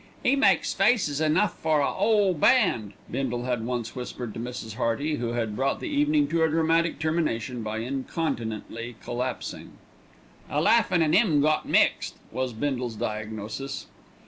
"'E makes faces enough for a 'ole band," Bindle had once whispered to Mrs. Hearty, who had brought the evening to a dramatic termination by incontinently collapsing. "A laugh and an 'ymn got mixed," was Bindle's diagnosis.